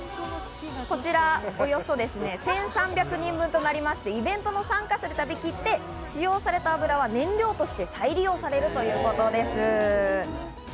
こちら、およそ１３００人分となりまして、イベントの参加者で食べきって、使用された油は燃料として再利用されるということです。